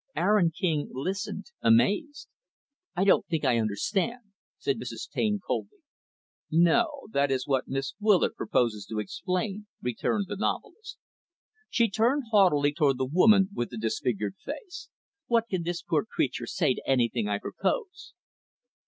Aaron King listened, amazed. "I don't think I understand," said Mrs. Taine, coldly. "No? That is what Miss Willard proposes to explain," returned the novelist. She turned haughtily toward the woman with the disfigured face. "What can this poor creature say to anything I propose?"